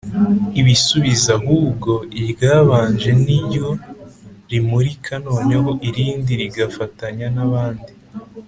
ibisubizo ahubwo iryabanje ni ryo rimurika noneho irindi rigafatanya n’abandi